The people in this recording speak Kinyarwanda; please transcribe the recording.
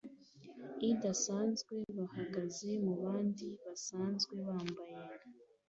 idasanzwe bahagaze mubandi basanzwe bambaye